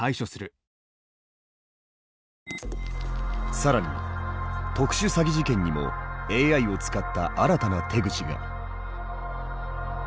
更に特殊詐欺事件にもＡＩを使った新たな手口が。